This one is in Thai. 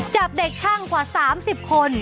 จับเด็กช่างกว่า๓๐คน